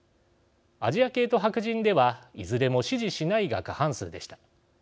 アジア系と白人では、いずれも「支持しない」が過半数でした。